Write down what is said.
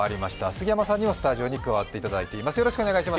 杉山さんにもスタジオに加わっていただいています。